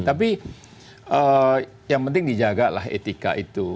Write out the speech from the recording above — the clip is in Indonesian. tapi yang penting dijagalah etika itu